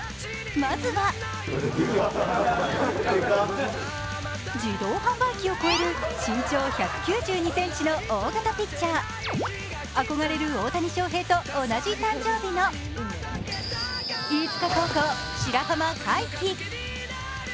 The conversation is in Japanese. まずは、自動販売機を超える身長１９２ｃｍの大型ピッチャー憧れる大谷翔平と同じ誕生日の飯塚高校、白濱快起。